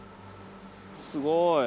すごい。